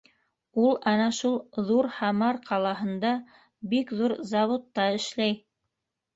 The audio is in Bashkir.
— Ул ана шул ҙур һамар ҡалаһында бик ҙур заводта эшләй.